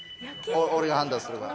俺が判断するから。